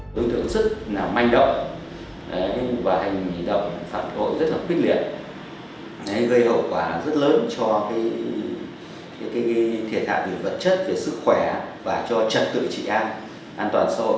đối tượng sức nào manh động và hành động phản hội rất là khuyết liệt gây hậu quả rất lớn cho thiệt hạng về vật chất về sức khỏe và cho chất tự trị an an toàn xã hội